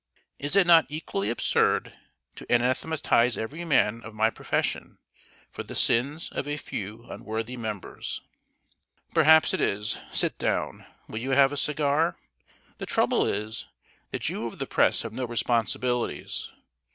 Is it not equally absurd to anathematize every man of my profession for the sins of a few unworthy members?" "Perhaps it is. Sit down. Will you have a cigar? The trouble is, that you of the Press have no responsibilities.